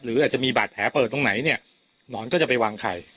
หรืออาจจะมีบาดแผลเปิดตรงไหนเนี่ยหนอนก็จะไปวางไข่